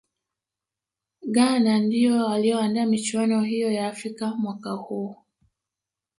ghana ndiyo waliyoandaa michuano hiyo ya afrika mwaka huo